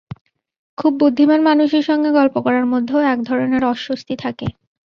খুব বুদ্ধিমান মানুষের সঙ্গে গল্প করার মধ্যেও একধরনের অস্বস্তি থাকে।